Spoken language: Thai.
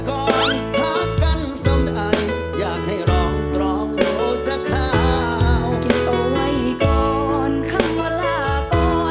กลับความสาหร่าครับจัดให้พี่แจ๊ค